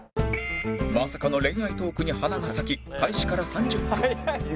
まさかの恋愛トークに花が咲き開始から３０分